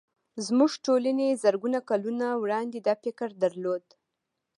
زموږ ټولنې زرګونه کلونه وړاندې دا فکر درلود